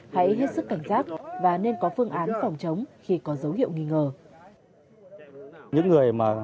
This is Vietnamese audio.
hãy hết sức cảnh giác và nên có phương án phòng chống khi có dấu hiệu nghi ngờ